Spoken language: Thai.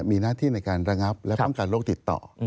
มีหน้าที่ในการระงับและป้องกันโรคติดต่อ